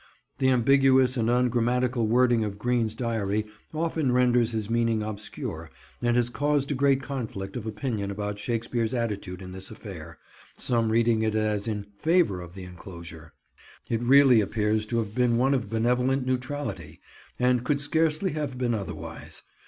The ambiguous and ungrammatical wording of Greene's diary often renders his meaning obscure and has caused a great conflict of opinion about Shakespeare's attitude in this affair, some reading it as in favour of the enclosure. It really appears to have been one of benevolent neutrality, and could scarcely have been otherwise.